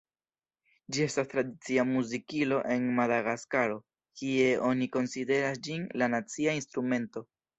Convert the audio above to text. Ĝi estas tradicia muzikilo en Madagaskaro, kie oni konsideras ĝin "la nacia instrumento".